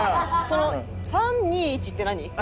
「“３２１”って何？」